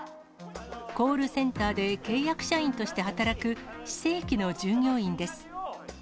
コールセンターで契約社員として働く非正規の従業員です。